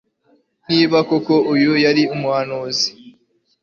Niba koko uyu yari umuhanuzi,